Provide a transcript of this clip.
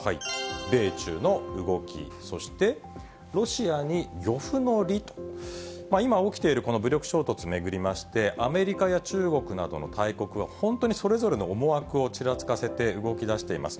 米中の動き、そしてロシアに漁夫の利？と、今起きているこの武力衝突、巡りまして、アメリカや中国などの大国は、本当にそれぞれの思惑をちらつかせて動きだしています。